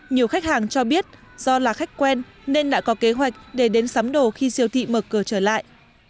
nhiều khách hàng cho biết do là khách quen nên đã có kế hoạch để đến sắm đồ khi siêu thị mở cửa trở lại